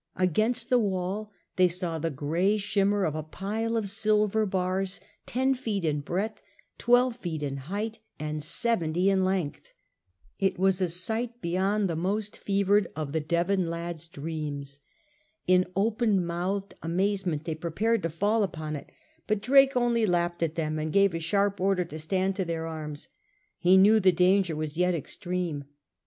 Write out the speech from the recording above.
Against the wall they saw the gray shimmer of a pile of silver bars ten feet in breadth, twelve feet in height^ and seventy in length. It was a sight beyond the most fevered of the Devon lads' dreams. In open mouthed amazement they prepared to fall upon it, but Drake only laughed at them and gave a sharp order to stand to their arms. He knew the danger was yet extreme.